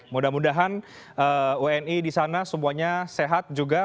semoga tuhan wni di sana semuanya sehat juga